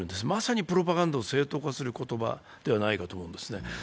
まさにプロパガンダを正当化する言葉ではないかと思うんですね。